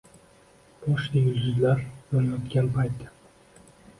Boshida yulduzlar yonayotgan payti